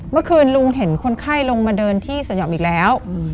เมื่อคืนลุงเห็นคนไข้ลงมาเดินที่สวนหย่อมอีกแล้ว